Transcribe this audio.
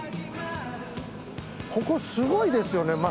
ここすごいですよね